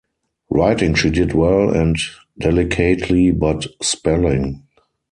Writing she did well and delicately — but spelling!